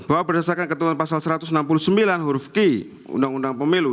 bahwa berdasarkan ketentuan pasal satu ratus enam puluh sembilan huruf q undang undang pemilu